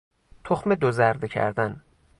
تخم دوزرده کردن